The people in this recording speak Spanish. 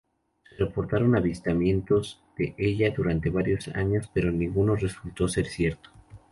Se reportaron avistamientos de ella durante varios años, pero ninguno resultó ser cierto.